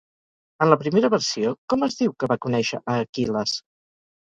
En la primera versió, com es diu que va conèixer a Aquil·les?